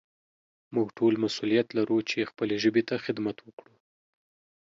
موږ ټول مسؤليت لرو چې خپلې ژبې ته خدمت وکړو.